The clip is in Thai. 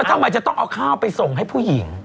ทำไมจะต้องเอาข้าวไปส่งให้ผู้หญิง